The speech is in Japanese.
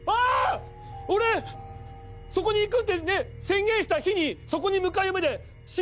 俺そこに行くって宣言した日にそこに向かう夢で死んでる！